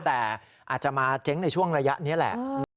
แต่อาจจะมาเจ๊งในช่วงระยะนี้แหละ